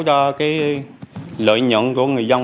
cho cái lợi nhận của người dân